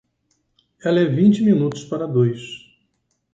Ela é vinte minutos para dois.